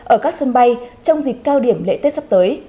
ở các sân bay trong dịp cao điểm lễ tết sắp tới